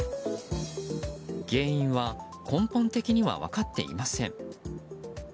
原因は根本的には分かっていません。